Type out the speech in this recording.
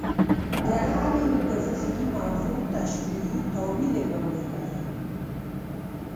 د هرې میتافیزیکي موضوع تشبیهي تأویل یې وړاندې کړی.